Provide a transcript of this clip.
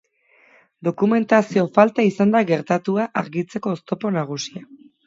Dokumentazio falta izan da gertatua argitzeko oztopo nagusia.